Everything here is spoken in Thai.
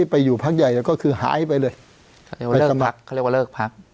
ภักดิ์ใหญ่แล้วก็คือหายไปเลยเขาเรียกว่าเลิกภักดิ์